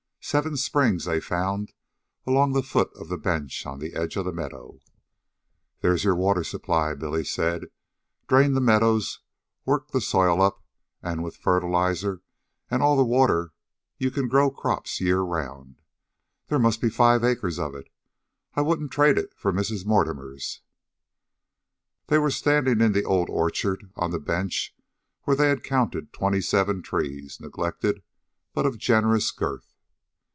Seven springs they found along the foot of the bench on the edge of the meadow. "There's your water supply," Billy said. "Drain the meadow, work the soil up, and with fertilizer and all that water you can grow crops the year round. There must be five acres of it, an' I wouldn't trade it for Mrs. Mortimer's." They were standing in the old orchard, on the bench where they had counted twenty seven trees, neglected but of generous girth.